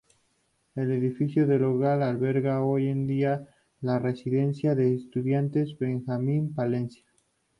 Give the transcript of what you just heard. El edificio del hogar alberga hoy en día la Residencia de Estudiantes Benjamín Palencia.